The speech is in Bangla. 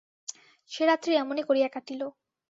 সে রাত্রি এমনি করিয়া কাটিল।